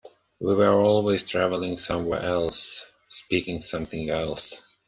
We were always traveling somewhere else, speaking something else.